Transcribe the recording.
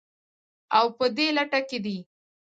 او په دې لټه کې دي